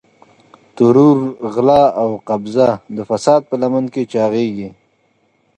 ترور، غلا او قبضه د فساد په لمن کې چاغېږي.